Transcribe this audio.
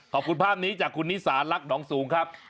ขอบคุณภาพนี้จากคุณนิสาลักษ์หนองสูงครับ